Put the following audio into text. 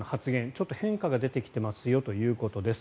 ちょっと変化が出てきてますよということです。